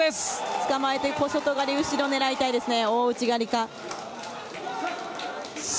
捕まえて小外刈り狙いたいですね。